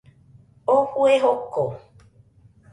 Oo fue joko